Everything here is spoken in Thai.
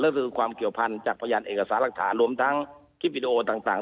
ก็คือความเกี่ยวพันธ์จากพยานเอกสารหลักฐานรวมทั้งคลิปวิดีโอต่าง